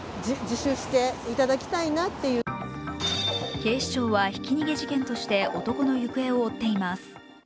警視庁はひき逃げ事件として男の行方を追っています。